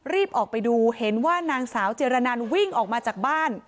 รีบออกไปดูเห็นว่านางสาวเจรนันวิ่งออกมาจากบ้าน